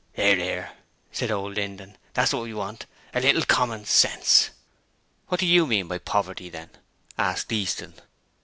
''Ear, 'ear,' said old Linden. 'That's wot we want a little common sense.' 'What do YOU mean by poverty, then?' asked Easton.